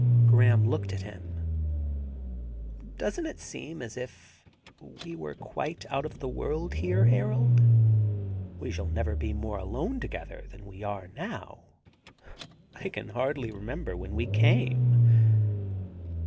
Graham looked at him. ^Doesn't it seem as if we were quite out of the world here, Harold ? We shall never be more alone together than we are now. I can hardly remember when we came.